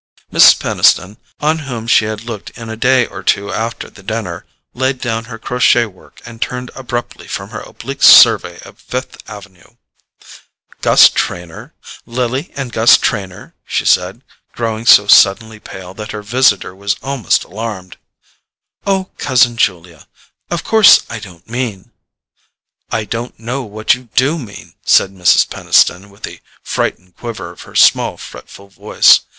Mrs. Peniston, on whom she had looked in a day or two after the dinner, laid down her crochet work and turned abruptly from her oblique survey of Fifth Avenue. "Gus Trenor?—Lily and Gus Trenor?" she said, growing so suddenly pale that her visitor was almost alarmed. "Oh, cousin Julia ... of course I don't mean...." "I don't know what you DO mean," said Mrs. Peniston, with a frightened quiver in her small fretful voice.